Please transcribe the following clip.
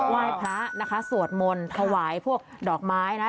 ไหว้พระนะคะสวดมนต์ถวายพวกดอกไม้นะ